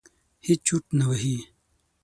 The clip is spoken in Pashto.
هېڅ چرت نه وهي.